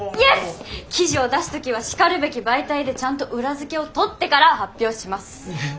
記事を出す時はしかるべき媒体でちゃんと裏付けをとってから発表します。